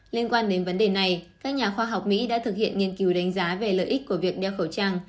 liên quan đến vấn đề này các nhà khoa học mỹ đã thực hiện nghiên cứu đánh giá về lợi ích của việc đeo khẩu trang